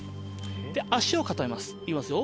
で足を固めますいきますよ